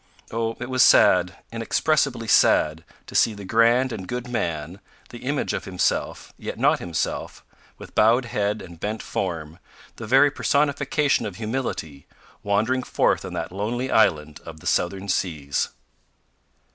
Oh it was sad, inexpressibly sad, to see the grand and good man the image of himself, yet not himself, with bowed head and bent form, the very personification of humility wandering forth on that lonely island of the southern seas!